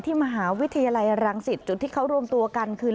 มหาวิทยาลัยรังสิตจุดที่เขารวมตัวกันคือ